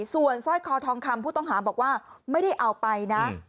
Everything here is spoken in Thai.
ส่วนสร้อยคอทองคำผู้ต้องหาบอกว่าไม่ได้เอาไปนะ